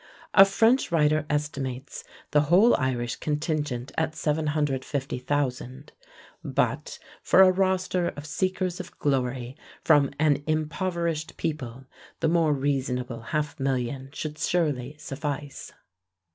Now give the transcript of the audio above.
A French writer estimates the whole Irish contingent at 750,000, but, for a roster of seekers of glory from an impoverished people, the more reasonable half million should surely suffice.